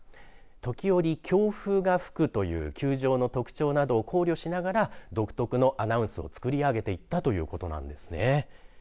時折、強風が吹くという球場の特徴などを考慮しながら独特のアナウンスをつくり上げていったということなんですね。